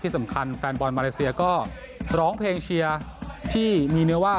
แฟนบอลมาเลเซียก็ร้องเพลงเชียร์ที่มีเนื้อว่า